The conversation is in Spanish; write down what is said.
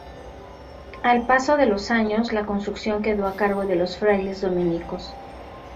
Al paso de los años la construcción quedó a cargo de los frailes dominicos.